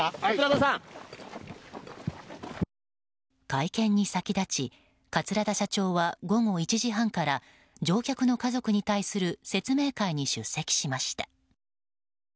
会見に先立ち桂田社長は午後１時半から乗客の家族に対する説明会に出席しました。